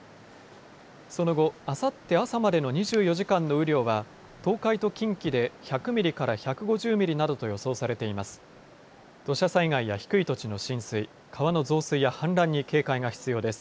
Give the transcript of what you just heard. その後、あさって朝までの２４時間の雨量は東海と近畿で１００ミリから１５０ミリなどと予想されています。